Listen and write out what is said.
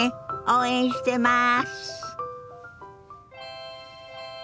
応援してます。